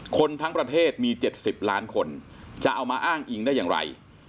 คนทั้งประเทศมี๗๐ล้านคนจะเอามาอ้างอิงได้อย่างไร